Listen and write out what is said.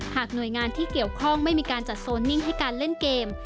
หน่วยงานที่เกี่ยวข้องไม่มีการจัดโซนนิ่งให้การเล่นเกม